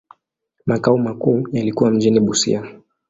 Makao makuu yalikuwa mjini Busia.